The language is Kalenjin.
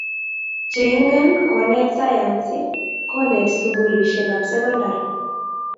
cheingen konet sayansi konet sukulisiek ap sekondari